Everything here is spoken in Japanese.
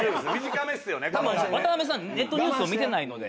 たぶん渡邊さんネットニュースを見てないので。